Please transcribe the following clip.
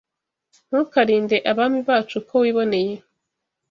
Ntukarinde abami bacu uko wiboneye